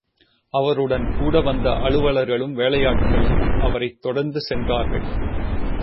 அவருடன் கூடவந்த, அலுவலர்களும், வேலையாட்களும் அவரைத் தொடர்ந்து சென்றார்கள்.